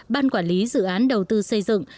ban quản lý dự án đầu tư xây dựng